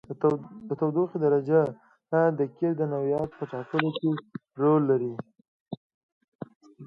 د تودوخې درجه د قیر د نوعیت په ټاکلو کې رول لري